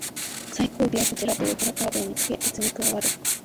最後尾はこちらというプラカードを見つけ列に加わる